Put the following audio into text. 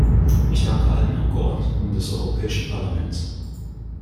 Ich danke allen Abgeordneten des Europäischen Parlaments.